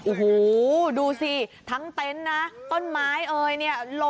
โอ้โหดูสิทั้งเต็นต์นะต้นไม้เอยเนี่ย